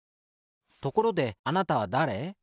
ところであなたはだれ？